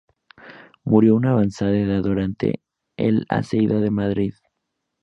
Murió a una avanzada edad durante el asedio de Madrid.